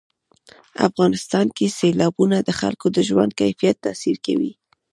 افغانستان کې سیلابونه د خلکو د ژوند کیفیت تاثیر کوي.